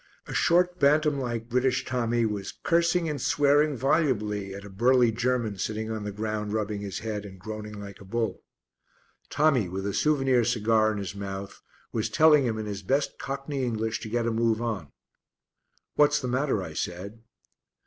A short bantam like British Tommy was cursing and swearing volubly at a burly German sitting on the ground rubbing his head and groaning like a bull. Tommy, with a souvenir cigar in his mouth, was telling him in his best cockney English to get a move on. "What's the matter?" I said.